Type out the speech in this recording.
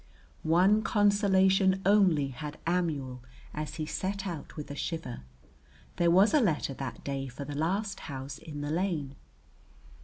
One consolation only had Amuel as he set out with a shiver, there was a letter that day for the last house in the lane.